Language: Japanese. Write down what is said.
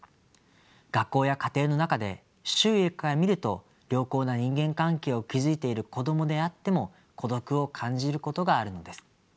学校や家庭の中で周囲から見ると良好な人間関係を築いている子どもであっても孤独を感じることがあるのです。